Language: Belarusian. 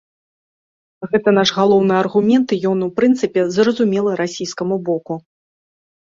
Гэта наш галоўны аргумент, і ён у прынцыпе зразумелы расійскаму боку.